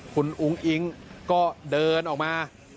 คุณอุ้งอิ๊งก็เดินออกมา